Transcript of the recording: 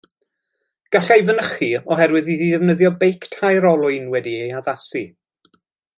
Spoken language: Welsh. Gallai fynychu oherwydd iddi ddefnyddio beic tair olwyn wedi'i addasu.